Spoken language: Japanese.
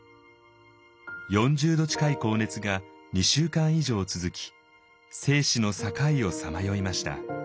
４０度近い高熱が２週間以上続き生死の境をさまよいました。